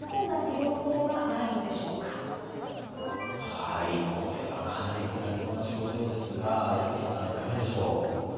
はいこれはかなりつらそうな症状ですが矢吹さんいかがでしょう。